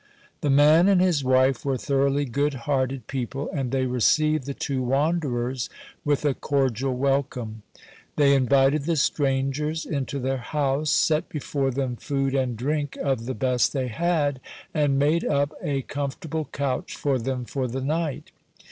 The man and his wife were thoroughly good hearted people, and they received the two wanderers with a cordial welcome. They invited the strangers into their house, set before them food and drink of the best they had, and made up a comfortable couch for them for the night.